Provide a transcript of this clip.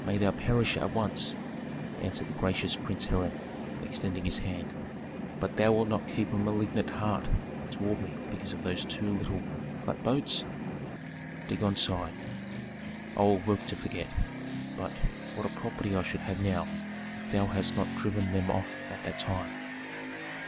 "May thou perish at once!" answered the gracious Prince Hiram, extending his hand. "But thou wilt not keep up a malignant heart toward me because of those two little flat boats?" Dagon sighed. "I will work to forget. But what a property I should have now if thou hadst not driven them off at that time!"